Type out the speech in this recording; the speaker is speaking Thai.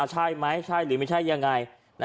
ใช่ไหมใช่หรือไม่ใช่ยังไง